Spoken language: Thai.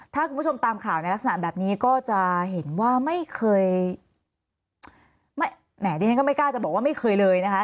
ถ้าคุณผู้ชมตามข่าวในลักษณะแบบนี้ก็จะเห็นว่าไม่เคย